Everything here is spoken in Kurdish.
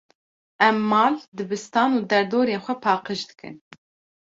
Em mal, dibistan û derdorên xwe paqij dikin.